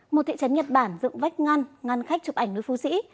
một thị trấn nhật bản dựng vách ngăn ngăn khách chụp ảnh nữ phu sĩ